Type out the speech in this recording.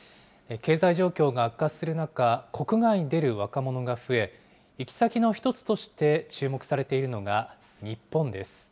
経済状況が悪化する中、国外に出る若者が増え、行き先の１つとして注目されているのが、日本です。